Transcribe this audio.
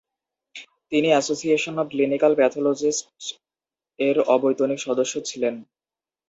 তিনি association of clinical প্যাথলজিস্টস-এর অবৈতনিক সদস্য ছিলেন।